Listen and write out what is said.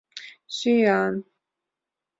Сӱан.